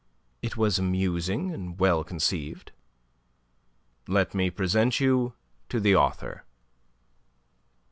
"It was amusing and well conceived." "Let me present you to the author."